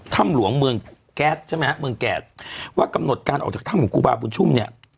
ถ้ำหลวงเมืองแก๊สใช่ไหมฮะเมืองแก๊สว่ากำหนดการออกจากถ้ำของครูบาบุญชุ่มเนี่ย